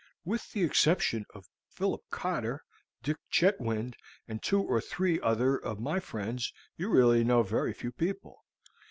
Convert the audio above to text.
With the exception of Philip Cotter, Dick Chetwynd, and two or three other of my friends, you really know very few people.